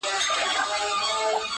له مستیه پر دوو سرو پښو سوه ولاړه -